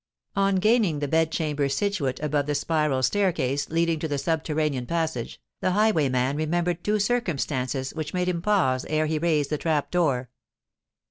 On gaining the bed chamber situate above the spiral staircase leading to the subterranean passage, the highwayman remembered two circumstances which made him pause ere he raised the trap door.